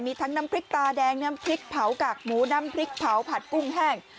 มีทั้งน้ำพริกตาแดงน้ำพริกเผากากหมูน้ำพริกเผาผัดกุ้งแห้ง